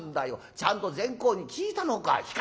ちゃんと善公に聞いたのかい？」。